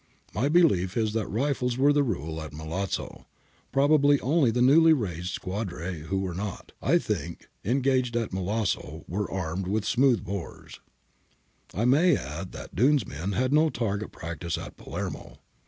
My belief is that rifles were the rule at Milazzo. Probably only the newly raised squadre, who were not, I think, engaged at Milazzo, were armed with smooth bores. I may add that Dunne's men had no target practice at Palermo.